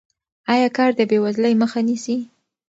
آیا کار د بې وزلۍ مخه نیسي؟